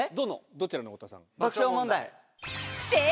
どちらの太田さん？